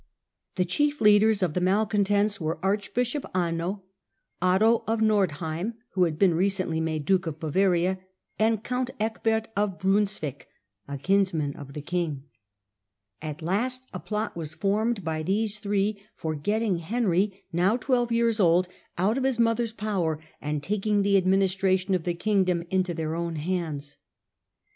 The chief leaders of the malcontents were archbishop Anno, Otto of Nordheim, who had been recently made duke of Bavaria, and count Ecbert of Brunswick, a kinsman of the king. At last a plot was formed by these three for getting Henry, now twelve years old, out of his mother's power, and taking the administration of the kingdom into their own hands.